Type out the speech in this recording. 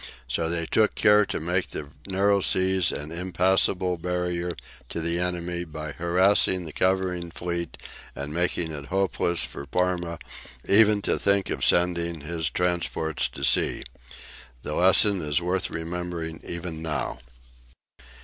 So they took care to make the narrow seas an impassable barrier to the enemy by harrying the covering fleet and making it hopeless for Parma even to think of sending his transports to sea. The lesson is worth remembering even now.